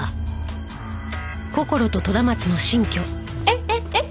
えっえっえっ？